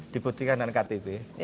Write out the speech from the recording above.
diputihkan dengan ktp